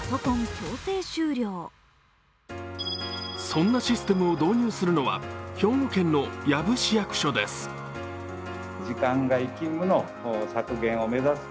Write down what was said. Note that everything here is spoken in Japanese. そんなシステムを導入するのは兵庫県の養父市役所です。